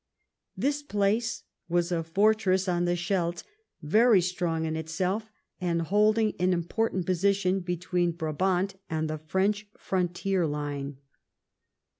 This place was a fortress on the Scheldt, very strong in itself and holding an important posi tion between Brabant and the French frontier line.